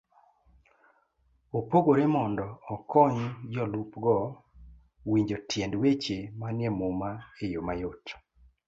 opogore mondo okony jolupgo winjo tiend weche manie Muma e yo mayot.